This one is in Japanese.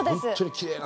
きれいな。